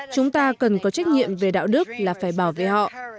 chúng ta cần có trách nhiệm về đạo đức là phải bảo vệ họ